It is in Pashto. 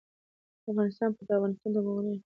افغانستان په د افغانستان د موقعیت غني دی.